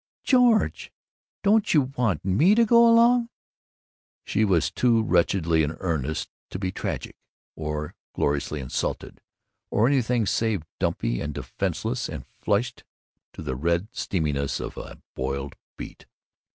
"George! Don't you want me to go along?" She was too wretchedly in earnest to be tragic, or gloriously insulted, or anything save dumpy and defenseless and flushed to the red steaminess of a boiled beet.